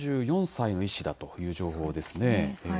４４歳の医師だという情報ですね。